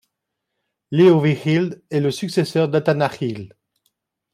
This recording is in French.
Léovigild est le successeur d'Athanagild.